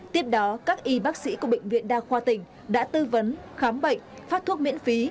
tiếp đó các y bác sĩ của bệnh viện đa khoa tỉnh đã tư vấn khám bệnh phát thuốc miễn phí